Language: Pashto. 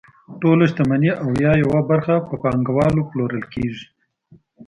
ټوله شتمني او یا یوه برخه په پانګوالو پلورل کیږي.